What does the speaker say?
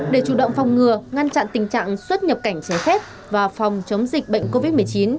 để chủ động phòng ngừa ngăn chặn tình trạng xuất nhập cảnh trái phép và phòng chống dịch bệnh covid một mươi chín